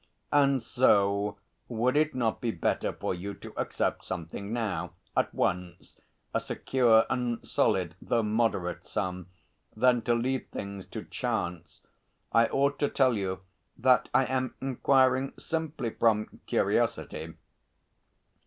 "And so would it not be better for you to accept something now, at once, a secure and solid though moderate sum, than to leave things to chance? I ought to tell you that I am inquiring simply from curiosity."